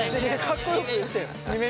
かっこよく言ってよ。